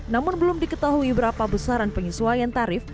namun belum diketahui berapa besaran penyesuaian tarif